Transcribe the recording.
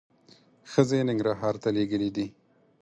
ښځې ننګرهار ته لېږلي دي.